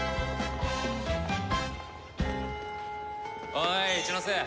おい一ノ瀬。